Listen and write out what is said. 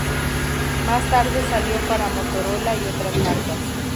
Más tarde salió para Motorola y otras marcas..